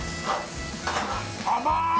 甘い！